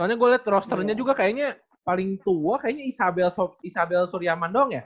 soalnya gue lihat rosternya juga kayaknya paling tua kayaknya isabel suryaman doang ya